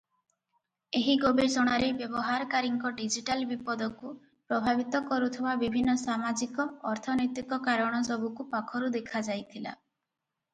ଏହି ଗବେଷଣାରେ ବ୍ୟବହାରକାରୀଙ୍କ ଡିଜିଟାଲ ବିପଦକୁ ପ୍ରଭାବିତ କରୁଥିବା ବିଭିନ୍ନ ସାମାଜିକ-ଅର୍ଥନୈତିକ କାରଣସବୁକୁ ପାଖରୁ ଦେଖାଯାଇଥିଲା ।